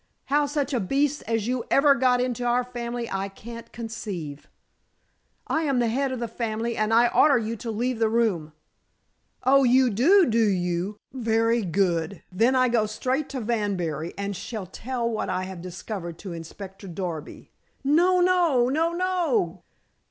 How such a beast as you ever got into our family I can't conceive." "I am the head of the family and I order you to leave the room." "Oh, you do, do you? Very good. Then I go straight to Wanbury and shall tell what I have discovered to Inspector Darby." "No! No! No! No!"